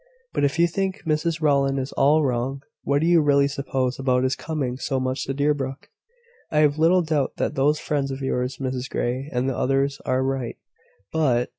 But if you think Mrs Rowland is all wrong, what do you really suppose about his coming so much to Deerbrook?" "I have little doubt that those friends of yours Mrs Grey and the others are right. But